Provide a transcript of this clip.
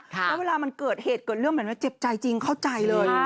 แล้วเวลามันเกิดเหตุเกิดเรื่องเหมือนว่าเจ็บใจจริงเข้าใจเลย